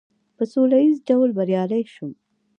په سوله ایز ډول بریالی شوم.